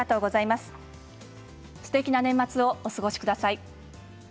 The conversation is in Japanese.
すてきな年末をお過ごしください。